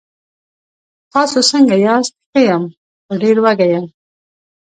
تاسې څنګه یاست؟ ښه یم، خو ډېر وږی یم.